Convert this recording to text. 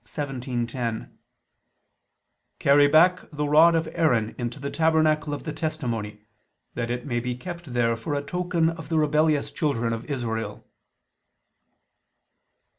17:10): "Carry back the rod of Aaron into the tabernacle of the testimony, that it may be kept there for a token of the rebellious children of Israel."